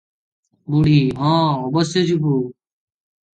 ବୁଢୀ - ହଁ ଅବଶ୍ୟ ଯିବୁଁ ।